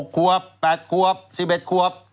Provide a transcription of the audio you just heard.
ควบ๘ควบ๑๑ควบ